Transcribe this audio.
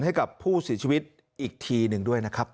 ให้กับผู้เสียชีวิตอีกทีหนึ่งด้วยนะครับ